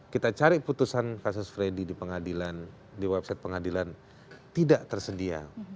kita cari putusan kasus freddy di pengadilan di website pengadilan tidak tersedia